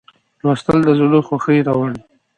لوستل د زړه خوښي راوړي.